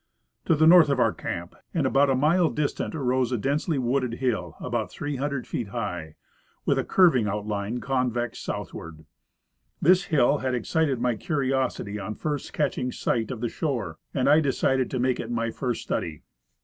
To the north of our camp, and about a mile distant, rose a densely wooded hill about 300 feet high, with a curving outline, convex southward. This hill had excited my curiosity on first catching sight of the shore, and I decided to make it my first study.